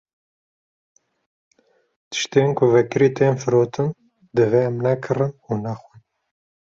Tiştên ku vekirî tên firotin divê em nekirin û nexwin.